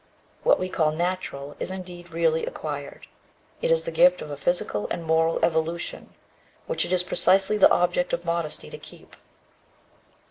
What we call 'natural,' is indeed really acquired; it is the gift of a physical and moral evolution which it is precisely the object of modesty to keep.